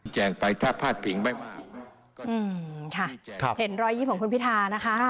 แจ่งไปถ้าพลาดผิงไปอืมค่ะครับเห็นรอยยิ้มของคุณพิธานะคะ